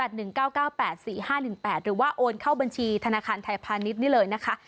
หรือว่าโอนเข้าบัญชีธนาคารไทยพาณิชย์นี่เลยนะคะ